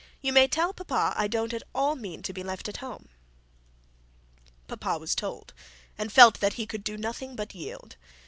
You may tell papa I don't mean to be left at home.' Papa was told, and felt that he could do nothing but yield.